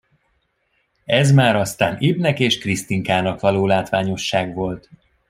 Ez már aztán Ibnek és Krisztinkának való látványosság volt!